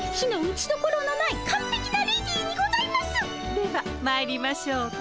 ではまいりましょうか。